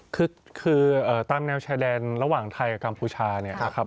คือตามแนวชายแดนระหว่างไทยกับกัมพูชาเนี่ยนะครับ